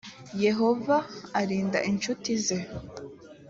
yehova arinda incuti ze